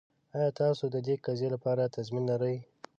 ایا تاسو د دې قضیې لپاره تضمین لرئ؟